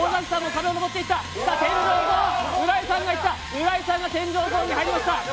浦井さんが天井ゾーンに行ました。